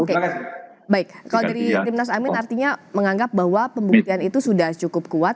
oke baik kalau dari timnas amin artinya menganggap bahwa pembuktian itu sudah cukup kuat